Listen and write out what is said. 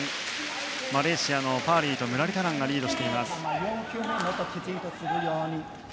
マレーシアのパーリーとムラリタランがリード。